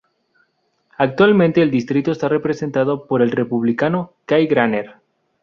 Actualmente el distrito está representado por el Republicano Kay Granger.